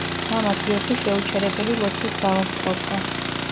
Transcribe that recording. მამა გიორგი შეუჩერებელი ლოცვის ძალას ფლობდა.